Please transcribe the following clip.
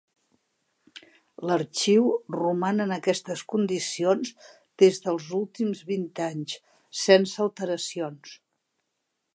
L'arxiu roman en aquestes condicions des dels últims vint anys, sense alteracions.